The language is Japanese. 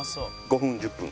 ５分１０分。